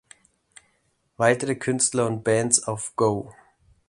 Weitere Künstler und Bands auf "Go!